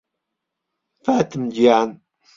فاتم گیان